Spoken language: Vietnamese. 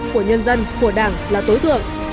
của nhân dân của đảng là tối thượng